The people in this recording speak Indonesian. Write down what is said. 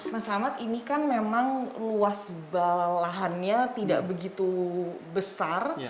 mas ahmad ini kan memang luas lahannya tidak begitu besar